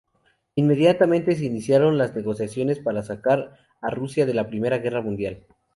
Inmediatamente se iniciaron las negociaciones para sacar a Rusia de la I Guerra Mundial.